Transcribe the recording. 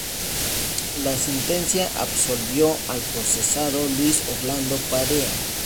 La sentencia absolvió al procesado Luis Orlando Perea.